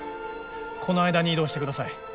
この間に移動してください。